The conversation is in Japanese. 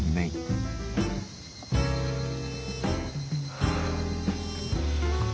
はあ。